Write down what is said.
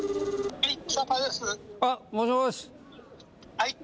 はい。